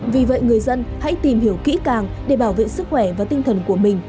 vì vậy người dân hãy tìm hiểu kỹ càng để bảo vệ sức khỏe và tinh thần của mình